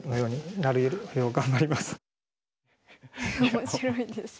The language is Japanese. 面白いですね。